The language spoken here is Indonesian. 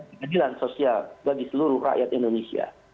keadilan sosial bagi seluruh rakyat indonesia